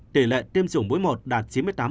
tỷ lệ tiêm chủng mỗi một đạt chín mươi tám bốn